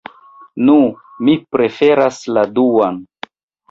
Nu, mi preferas la duan.